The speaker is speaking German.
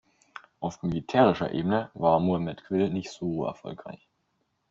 Auf militärischer Ebene war Muhammad Quli nicht so erfolgreich.